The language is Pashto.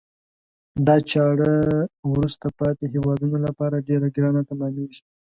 دا چاره وروسته پاتې هېوادونه لپاره ډیره ګرانه تمامیږي.